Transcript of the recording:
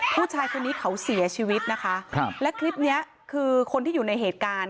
ผู้ชายคนนี้เขาเสียชีวิตนะคะครับและคลิปเนี้ยคือคนที่อยู่ในเหตุการณ์